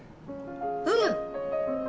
うむ！